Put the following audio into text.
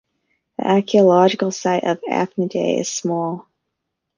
The archaeological site of Aphidnae is small.